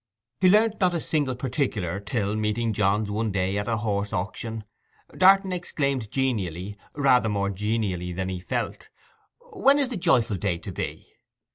He learnt not a single particular till, meeting Johns one day at a horse auction, Darton exclaimed genially—rather more genially than he felt—'When is the joyful day to be?